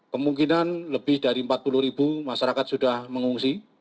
kemungkinan lebih dari empat puluh ribu masyarakat sudah mengungsi